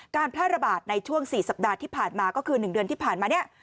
การแพร่ระบาดในช่วง๔สัปดาห์ที่ผ่านมาก็คือ๑เดือนที่ผ่านมาเนี่ย